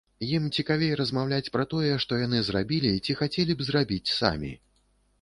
Ім цікавей размаўляць пра тое, што яны зрабілі ці хацелі б зрабіць самі.